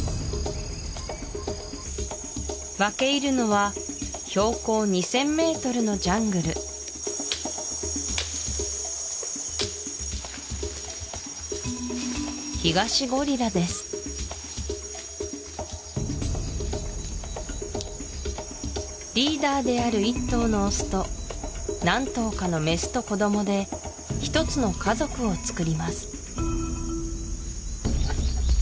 分け入るのは標高２０００ｍのジャングルヒガシゴリラですリーダーである１頭のオスと何頭かのメスと子どもで１つの家族をつくります